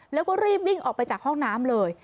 แล้วก็รีบวิ่งออกไปจากห้องน้ำเลย